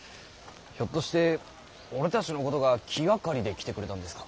ひょっとして俺たちのことが気がかりで来てくれたんですか？